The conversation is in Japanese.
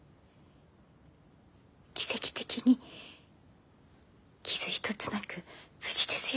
「奇跡的に傷一つなく無事ですよ」